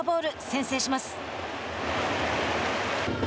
先制します。